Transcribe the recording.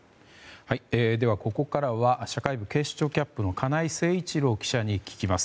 では、ここからは社会部警視庁キャップの金井誠一郎記者に聞きます。